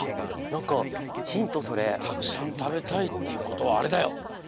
たくさんたべたいっていうことはあれだよ。